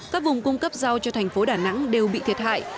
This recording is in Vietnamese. các vùng cung cấp rau cho thành phố đà nẵng đều bị thiệt hại